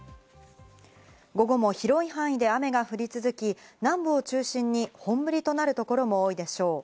午後も広い範囲で雨が降り続き、南部を中心に本降りとなるところも多いでしょう。